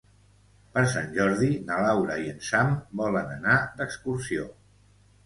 Per Sant Jordi na Laura i en Sam volen anar d'excursió.